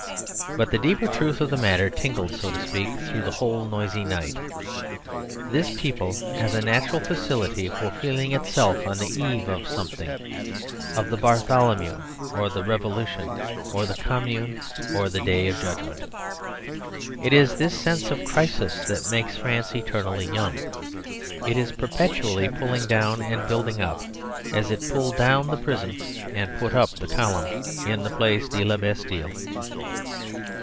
But the deeper truth of the matter tingled, so to speak, through the whole noisy night. This people has a natural faculty for feeling itself on the eve of something of the Bartholomew or the Revolution or the Commune or the Day of Judgment. It is this sense of crisis that makes France eternally young. It is perpetually pulling down and building up, as it pulled down the prison and put up the column in the Place de La Bastille.